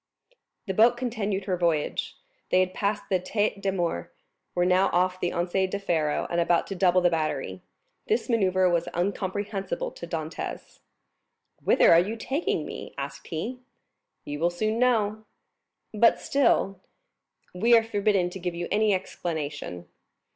0111m The boat continued her voyage. They had passed the Tête de Mort, were now off the Anse du Pharo, and about to double the battery. This manœuvre was incomprehensible to Dantès. "Whither are you taking me?" asked he. "You will soon know." "But still——" "We are forbidden to give you any explanation."